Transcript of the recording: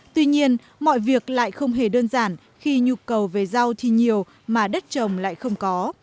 tuy nhiên mọi việc lại không hề đơn giản khi nhu cầu về rau thì nhiều mà đất trồng lại không có